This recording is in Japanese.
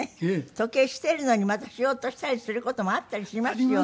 時計しているのにまたしようとしたりする事もあったりしますよね。